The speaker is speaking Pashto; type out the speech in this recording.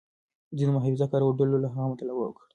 ځینو محافظه کارو ډلو له هغه ملاتړ وکړ.